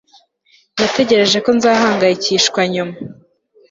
Natekereje ko nzahangayikishwa nyuma